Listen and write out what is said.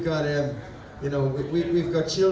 dan kami bukan lagi kecil